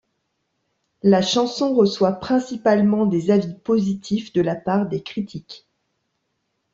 La chanson reçoit principalement des avis positifs de la part des critiques.